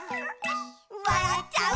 「わらっちゃう」